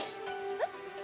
えっ？